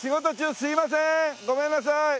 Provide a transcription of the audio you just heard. ごめんなさい。